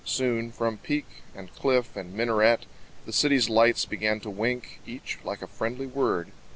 Soon From peak and cliff and minaret The city's lights began to wink, Each like a friendly word.